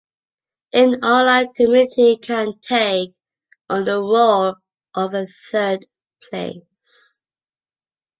An online community can take on the role of a third place.